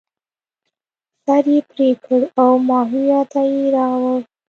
سر یې پرې کړ او ماهویه ته یې راوړ.